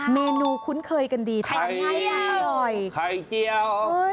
เมนูคุ้นเคยกันดีไข่เจียว